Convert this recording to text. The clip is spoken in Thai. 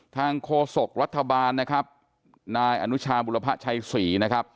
โฆษกรัฐบาลนะครับนายอนุชาบุรพะชัยศรีนะครับ